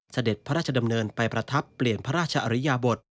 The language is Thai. เสด็จพระราชดำเนินไปประทับเปลี่ยนพระราชอริยบท